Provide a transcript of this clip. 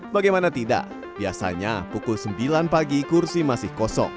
bagaimana tidak biasanya pukul sembilan pagi kursi masih kosong